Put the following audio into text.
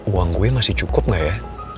uang gue masih cukup gak ya